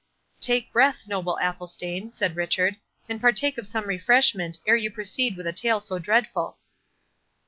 "Take breath, noble Athelstane," said Richard, "and partake of some refreshment, ere you proceed with a tale so dreadful."